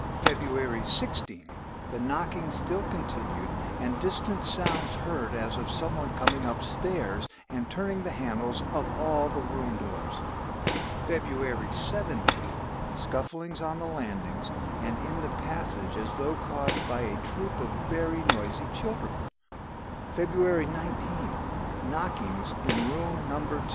"February 16. The knockings still continued and distant sounds heard as of some one coming upstairs and turning the handles of all the room doors. "February 17. Scufflings on the landings, and in the passage as though caused by a troop of very noisy children. "February 19. Knockings in room No. 2.